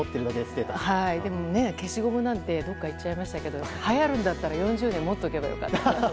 でも、消しゴムなのでどっかいっちゃいましたがはやるんだったら４０年持っとけばよかった。